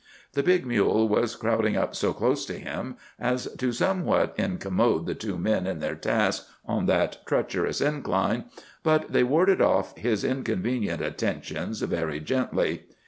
The big mule was crowding up so close to him as to somewhat incommode the two men in their task on that treacherous incline. But they warded off his inconvenient attentions very gently.